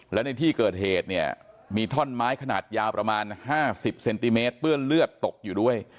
และในที่เกิดเหตุเนี่ยมีท่อนไม้ขนาดยาวประมาณ๕๐เซนติเมตรเปื้อนเลือดตกอยู่ด้วย